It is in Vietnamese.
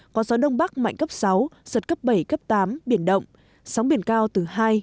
có gió đông bắc mạnh cấp sáu giật cấp bảy cấp tám biển động sóng biển cao từ hai đến bốn mét